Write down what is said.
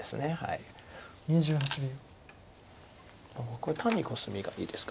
これ単にコスミがいいですか。